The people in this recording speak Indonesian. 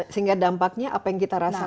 sehingga dampaknya apa yang kita rasakan